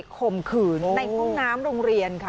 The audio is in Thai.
ข่มขืนในห้องน้ำโรงเรียนค่ะ